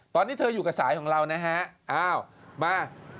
ตอนนี้เธออยู่กับสายของเรานะฮะอ้าวมา